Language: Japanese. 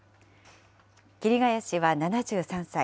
桐ケ谷氏は７３歳。